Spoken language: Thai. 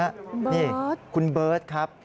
คุณเบิร์ตคุณเบิร์ตครับ